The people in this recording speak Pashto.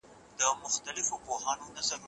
خپلواکي مو مبارک شه.